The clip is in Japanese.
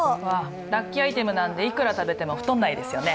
ラッキーアイテムなのでいくら食べても太らないですよね。